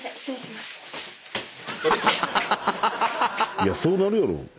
いやそうなるやろ。